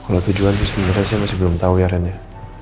kalau tujuan sih sebenarnya saya masih belum tahu ya ren ya